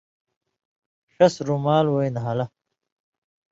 ݜس رُمالی وَیں نھالہ